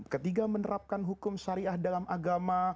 ketika menerapkan hukum syariah dalam arti itu